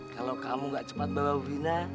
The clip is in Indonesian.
kalau kamu gak cepat bawa bu ina